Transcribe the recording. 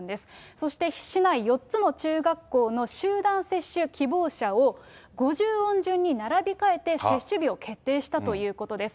そして市内４つの中学校の集団接種希望者を、５０音順に並び替えて、接種日を決定したということです。